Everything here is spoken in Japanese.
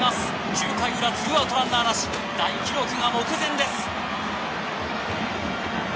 ９回裏ツーアウトランナーなし大記録が目前です